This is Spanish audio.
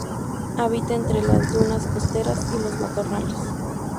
Habita entre las dunas costeras y los matorrales.